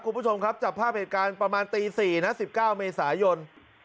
คุณผู้ชมครับจับภาพเหตุการณ์ประมาณตี๔นะ๑๙เมษายน